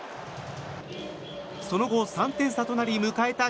その後、３点差となり迎えた